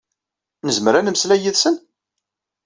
Nezmer ad nemmeslay yid-sen?